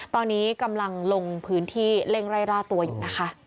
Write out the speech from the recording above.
ตอนนี้กำลังลงพื้นที่เร่งไล่ล่าตัวอยู่นะคะ